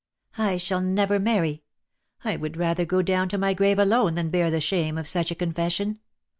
"I shall never marry. I would rather go down to my grave alone than bear the shame of such a confession.